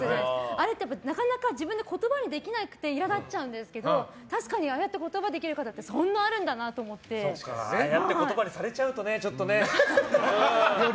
あれって、なかなか自分で言葉にできなくて苛立っちゃうんですけど確かにああやって言葉にできないことってああやってよりちょっとね。